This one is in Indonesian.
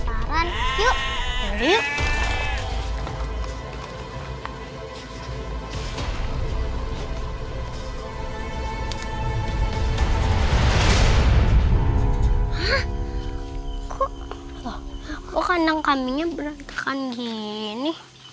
oh pasti itu ular biasa kali